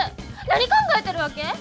何考えてるわけ？